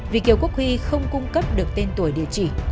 vì kiều quốc huy không cung cấp được tên tuổi địa chỉ